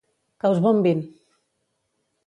Que us bombin!